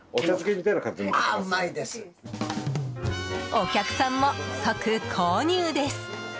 お客さんも即購入です！